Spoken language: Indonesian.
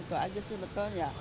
itu aja sih betul